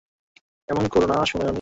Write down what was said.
এমন কোরো না সুনয়নী।